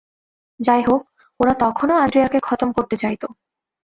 যাইহোক, ওরা তখনও আন্দ্রেয়াকে খতম করতে চাইতো।